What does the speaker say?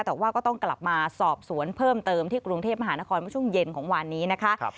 แต่ว่าก็ต้องกลับมาสอบสวนเพิ่มเติมที่กรุงเทพมหานครเมื่อช่วงเย็นของวันนี้นะคะ